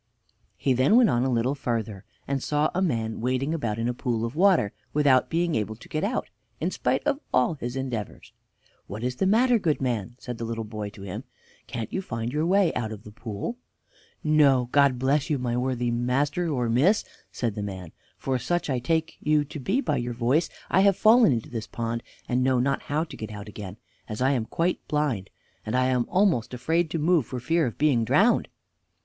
He then went on a little further, and saw a man wading about in a pool of water without being able to get out, in spite of all his endeavors. "What is the matter, good man?" said the little boy to him. "Can't you find your way out of this pond?" "No, God bless you, my worthy master, or miss," said the man, "for such I take you to be by your voice. I have fallen into this pond, and know not how to get out again, as I am quite blind, and I am almost afraid to move for fear of being drowned."